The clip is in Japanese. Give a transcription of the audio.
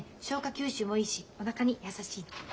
吸収もいいしおなかに優しいの。